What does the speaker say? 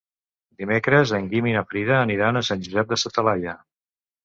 Dimecres en Guim i na Frida aniran a Sant Josep de sa Talaia.